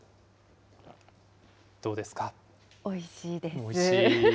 おいしいです。